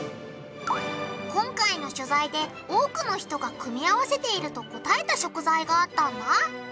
今回の取材で多くの人が組み合わせていると答えた食材があったんだ。